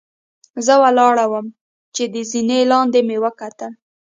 زۀ ولاړ ووم چې د زنې لاندې مې وکتل